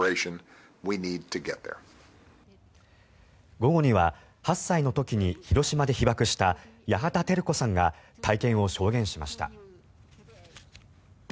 午後には８歳の時に広島で被爆した八幡照子さんが体験を証言しました。